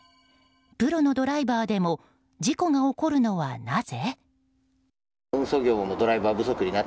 プロのドライバーでも事故が起こるのはなぜ？